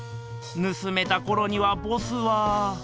盗めたころにはボスは。